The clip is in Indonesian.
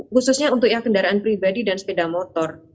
khususnya untuk yang kendaraan pribadi dan sepeda motor